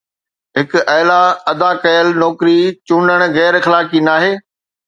هڪ اعلي ادا ڪيل نوڪري چونڊڻ غير اخلاقي ناهي